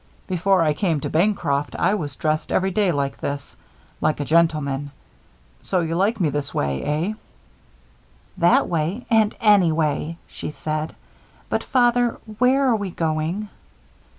"Before I came to Bancroft I was dressed every day like this like a gentleman. So you like me this way, eh?" "That way and any way," she said. "But, Father. Where are we going?"